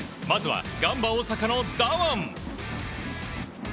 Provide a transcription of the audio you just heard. まずはガンバ大阪のダワン。